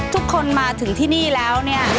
ทุกคนมาถึงที่นี่แล้วเนี่ย